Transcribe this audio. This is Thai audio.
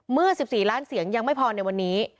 เมื่อ๑๔ล้านเสียงยังไม่พอในวันนี้